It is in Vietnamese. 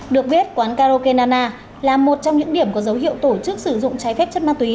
được biết quán karaoke nana là một trong những điểm có dấu hiệu tổ chức sử dụng trái phép chất ma túy